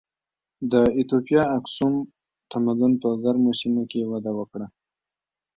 د ایتوپیا اکسوم تمدن په ګرمو سیمو کې وده وکړه.